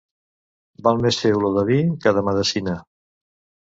Val més fer olor de vi que de medecina.